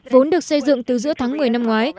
vốn được xây dựng từ giữa tháng một mươi năm ngoái